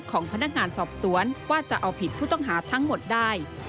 ของพนักงานสอบสวนว่าจะเอาผิดผู้ต้องหาทั้งหมดได้